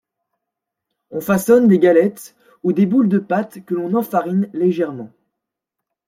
On façonne des galettes ou des boules de pâte que l'on enfarine légèrement.